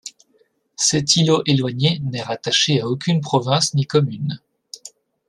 Cet îlot éloigné n'est rattaché à aucune province ni commune.